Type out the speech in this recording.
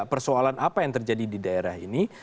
persoalan apa yang terjadi di daerah ini